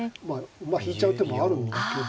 馬引いちゃう手もあるんだけど。